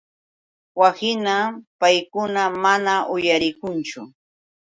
Wakhinam paykuna mana uyalikunchu.